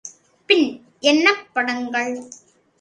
நாளடைவில் அதை இடம் நிரம்பப் பயன்படுத்தத் தொடங்கி விட்டனர்.